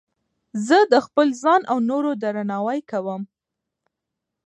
زه د خپل ځان او نورو درناوی کوم.